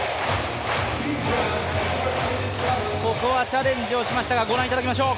ここはチャレンジをしましたがご覧いただきましょう